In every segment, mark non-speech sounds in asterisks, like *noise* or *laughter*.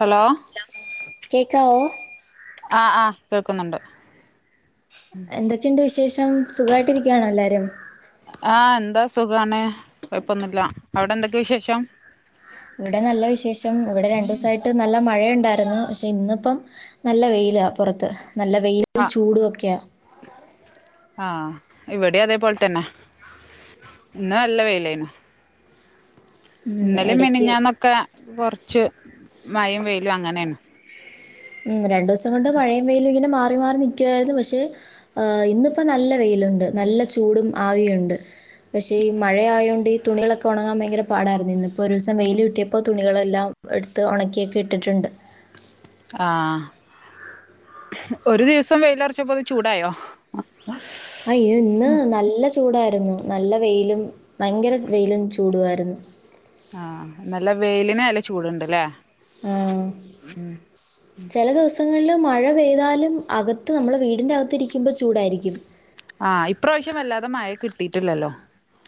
Hello കേക്കാവോ ആ ആ കേക്കുന്നൊണ്ട് എന്തൊക്കെയുണ്ട് വിശേഷം? സുഖ വായിട്ടിരിക്കുവാണോ എല്ലാരും? സുഖ ആണ്. കുഴപ്പമൊന്നുമില്ല. അവിടെ എന്തെക്കെ വിശേഷം? ഇവിടെ നല്ല വിശേഷം. ഇവിടെ രണ്ടു ദിവസായിട്ടു നല്ല മഴയുണ്ടായിരുന്നു. പക്ഷേ ഇന്നിപ്പം നല്ല വെയിലാ പുറത്ത്. നല്ല വെയിലും ആഹ് ചൂടും ഒക്കെയാ. ഇവിടെയും അതേ പോലെ തന്നെ. ഇന്നു നല്ല വെയിലായിരുന്നു. ഉം, ഇന്നലെയും ഇടയ്ക്ക് മിനിഞ്ഞാന്നെക്കെ കുറച്ച് മഴയും വെയിലും അങ്ങനാണ്. ഉം രണ്ടിവസം കൊണ്ട് മഴയും വെയിലും ഇങ്ങനെ മാ ങ്ങനെ നിൽക്കുവായിരുന്നു. പക്ഷേ ഇന്ന് ഇപ്പം നല്ല വെയിലുണ്ട്. നല്ല ചൂടും ആവിയും ഉണ്ട്. പക്ഷേ ഈ മഴയായൊണ്ട് ഈ തുണികളൊക്കെ ഉണങ്ങാൻ ഭയങ്കര പാടായിരുന്നേ. ഇന്നിപ്പം വെയില് കിട്ടിയപ്പം തുണികളെല്ലാം എടുത്ത് ഉണക്കിയൊക്കെ ഇട്ടിട്ടുണ്ട്. ആഹ് ഒരു ദിവസം വെയ്ലറച്ചപ്പോ ചൂടായോ? ആഹ് എ ഇന്ന് നല്ല ചൂടാ രുന്നു. നല്ല വെയിലും ഭയങ്കര വെയിലും ചൂടുവാരുന്നു. ആ നല്ല വെയിലിന് നല്ല ചൂട്ണ്ട്ല്ലേ? ആ ചെലദിവസങ്ങളില് മഴ പെയ്താലും അകത്ത് നമ്മടെ വീടിന്റെ അകത്തിരിക്കുമ്പം ചൂടായിരിക്കും. ആ ഇപ്രാവിശ്യം വല്ലാതെ മഴ കിട്ടിട്ടില്ലലോ?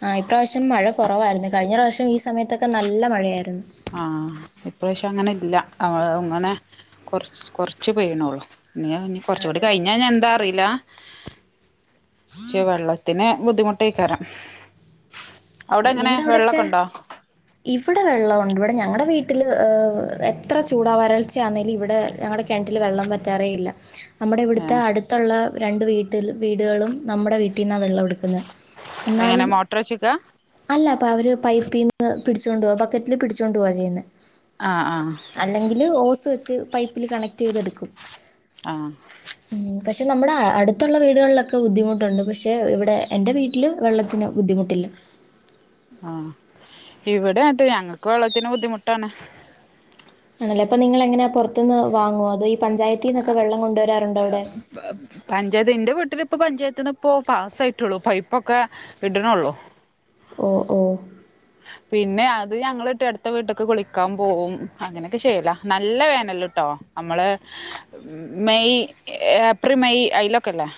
ആഹ് ഇപ്രാവശ്യം മഴക്കുറവായിരുന്നേ കഴിഞ്ഞ പ്രാവശ്യം ഈ സമയത്തൊക്കെ നല്ല മഴയായിരുന്നു. ആഹ് ഇപ്രാവശ്യം അങ്ങനെ ഇല്ല. അങ്ങനെ കുറച്ച് കുറച്ചു പെയ്യനുള്ളു. ഇനി ങ്ങനെ കുറച്ചൂടി അതെ. കഴിഞ്ഞാ ഞാനെന്താ റിയില്ല ച് വെള്ളത്തിന് ബുദ്ധിമൂട്ടായിക്കാരം നിങ്ങടവിടെക്കെ ഇവിടെ വെള്ള ണ്ടുവിടെ ഞങ്ങളുടെ വീട്ടില്എത്ര ചൂടാവരൾച്ചയാന്നേലും ഇവിടെ ഞങ്ങടെ കിണറ്റില് വെള്ളം വറ്റാറേയില്ല. നമ്മുടെ ഇവിട്ത്തെ ഏഹ് അടുത്തുള്ള രണ്ടു വീട്ടില് വീടുകളും നമ്മുടെ വീട്ടിന്നാ വെള്ളവെടുക്കുന്നേ. എങ്ങനെ എന്നാലും മോട്ടർ വെച്ച്ക്കാ അല്ല പവര്പൈപ്പീന്ന്- പിടിച്ചോണ്ടോകും. ബക്കറ്റില് പിടിച്ചോണ്ട് പോവാ ചെയ്യുന്നെ ആഹ് ആഹ് അല്ലങ്കില് ഓസ് വെച്ച് പൈപ്പില് കണക്ടെയ്ത് എടുക്കും. ആഹ് പക്ഷേ നമ്മുടെ അടുത്തുള്ള വീടുകളിലൊക്കെ ബുദ്ധിമുട്ടുണ്ട്. പക്ഷേ ഇവിടെഎന്റെ വീട്ടില് വെള്ളത്തിന് ബുദ്ധിമുട്ടില്ല. *inaudible* ആഹ് ഇവിടെ അതെ ഞങ്ങക്ക് വെള്ളത്തിന് ബുദ്ധിമുട്ടാണ്. ആണല്ലേ? നിങ്ങളെങ്ങനാ പുറത്തു ന്ന് വാങ്ങുവോ? അതോ ഈ പഞ്ചായത്തീന്നൊക്കെ വെള്ളം കൊണ്ടു പഞ്ചായത്ത് ൻ്റെ വീട്ടില് പഞ്ചായത്തിന്നിപ്പോ പാസ്സ് ആയിട്ടുള്ളു പൈപ്പൊക്കെ ഇട്ണൊള്ളു ഓ ഓ പിന്നെ അത് ഞങ്ങൾട്ടടുത്ത വീട്ടിലൊക്കെ കളിക്കാൻ പോവും അങ്ങനൊക്കെ ചെയ്യലാ നല്ല വേനലിൽട്ടൊ നമ്മള് മെയ്‌ ഏപ്രിൽ മെയ്‌ ആയിലൊക്കില്ലെ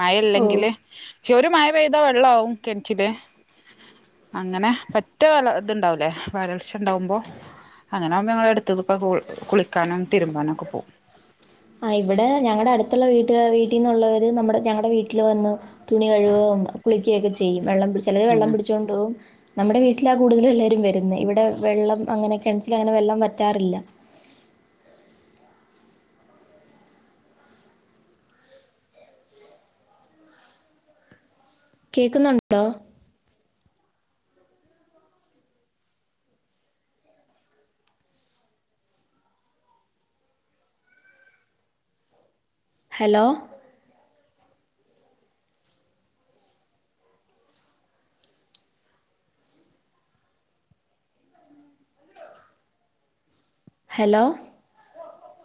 മഴ ഓ ഇല്ലെങ്കില് ക്ക് ഒരു മഴ പെയ്ത വെള്ളാവും കിണറ്റില് *inaudible* വരൾച്ച ഇണ്ടാവൂലെ ആ ഇവിടെ ഞങ്ങളുടെ അടുത്തുള്ള വീട്ട വീട്ടിൽന്നുള്ളവര് നമ്മ ഞങ്ങളടെ വീട്ടിൽ വന്ന് തുണി കഴുകുകയും കുളിക്കുകയ ഒക്കെ ചെയ്യും വെള്ളം പി ചിലത് ഉം വെള്ളം പിടിച്ചുക കൊണ്ട് പോവും നമ്മുടെ വീട്ടിലാ കൂടുതൽ എല്ലാവരും വരുന്നത് ഇവിടെ വെള്ളം അങ്ങനെ കിണറ്റൽ അങ്ങനെ വെള്ളം വറ്റാറില്ല കേക്കുന്നുണ്ടോ ഹലോ ഹലോ